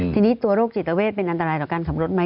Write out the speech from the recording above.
ทีนี้ตัวโรคจิตเวทเป็นอันตรายต่อการขับรถไหม